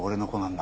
だ